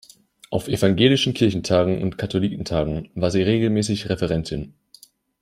Auf Evangelischen Kirchentagen und Katholikentagen war sie regelmäßig Referentin.